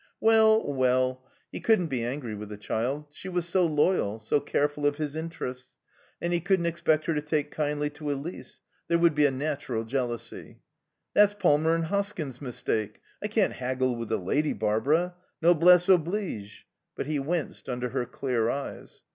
"Well well," he couldn't be angry with the child. She was so loyal, so careful of his interests. And he couldn't expect her to take kindly to Elise. There would be a natural jealousy. "That's Palmer and Hoskins's mistake. I can't haggle with a lady, Barbara. Noblesse oblige." But he winced under her clear eyes.